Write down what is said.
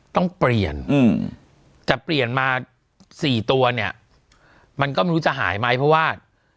ต้องเปลี่ยนแต่เปลี่ยนมา๔ตัวเนี่ยมันก็ไม่รู้จะหายไหมเพราะว่า